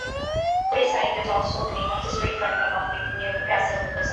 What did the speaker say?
Quayside is also the name of the street running along the Newcastle riverside.